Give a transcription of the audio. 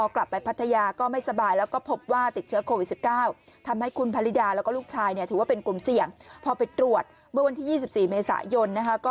ก็เป็นกลุ่มเสี่ยงพอไปตรวจเมื่อวันที่๒๔เมษายนนะฮะ